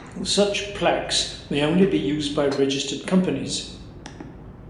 Such plaques may only be used by registered companies.